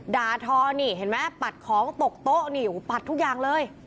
ด่าทอนี่เห็นไหมปัดของตกโต๊ะนี่อยู่ปัดทุกอย่างเลย